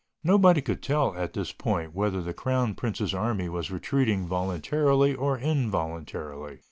Nobody could tell, at this point, whether the crown prince's army was retreating voluntarily or involuntarily.